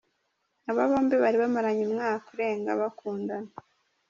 Aba bombi bari bamaranye umwaka urenga bakundana.